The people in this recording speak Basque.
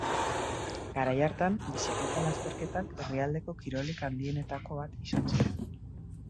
Garai hartan, bizikleta lasterketak herrialdeko kirolik handienetako bat izan ziren.